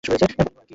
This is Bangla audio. বলিব আর কী?